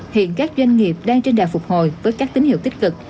hiện các doanh nghiệp đang trên đà phục hồi với các tín hiệu tích cực